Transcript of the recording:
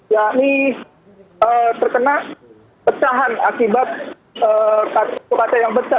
yakni terkena pecahan akibat pintu kaca yang pecah